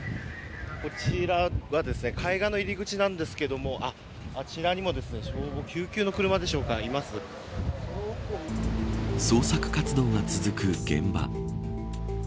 こちらは海岸の入り口なんですけどあちらにも消防救急の車でしょうか捜索活動が続く現場。